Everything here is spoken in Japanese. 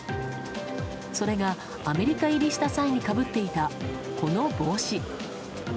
それがアメリカ入りした際にかぶっていた、この帽子。